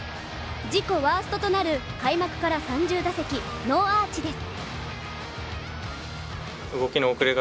自己ワーストとなる開幕から３０打席のアーチです。